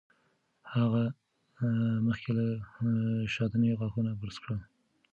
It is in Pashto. هغه مخکې له ناشتې غاښونه برس کړل.